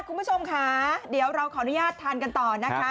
คุณผู้ชมค่ะเดี๋ยวเราขออนุญาตทานกันต่อนะคะ